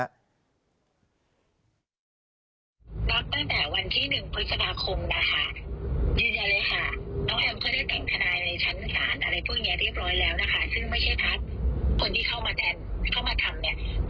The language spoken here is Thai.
ตั้งแต่วันที่๑พฤษภาคมนะคะยืนยันเลยค่ะ